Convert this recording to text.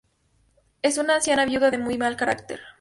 Es una anciana viuda de muy mal carácter.